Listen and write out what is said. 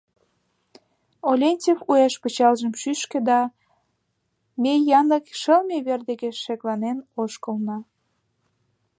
Олентьев уэш пычалжым шӱшкӧ да ме янлык шылме вер деке шекланен ошкылна.